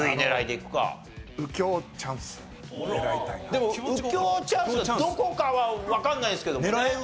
でも右京チャンスはどこかはわかんないですけどもね。